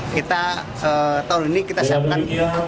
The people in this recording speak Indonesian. kita tahun ini kita siapkan